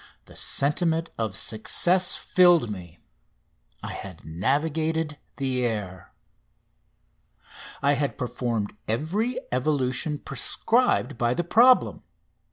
The sentiment of success filled me: I had navigated the air. I had performed every evolution prescribed by the problem.